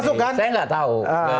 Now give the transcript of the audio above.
saya gak tau